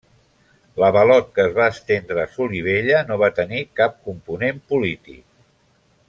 L'avalot, que es va estendre a Solivella no va tenir cap component polític.